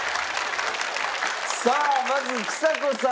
さあまずちさ子さん